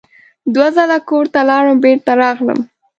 دوه ځله کور ته لاړم بېرته راغلم.